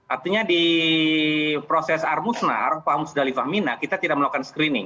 artinya di proses armusnar famus dalifah minah kita tidak melakukan screening